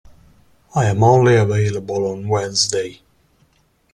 I am only available on Wednesday.